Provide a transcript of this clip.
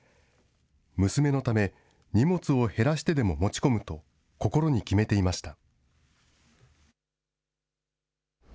娘のため、荷物を減らしてでも持ち込むと、心に決めていました。